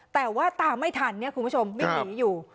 แต่ว่าตามไม่ทันเนี่ยคุณผู้ชมวิ่งหนีอยู่